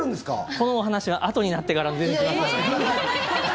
このお話はあとになってから出てきますので。